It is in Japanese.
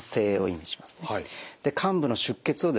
患部の出血をですね